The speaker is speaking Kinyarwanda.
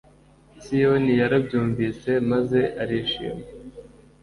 siyoni yarabyumvise maze irishima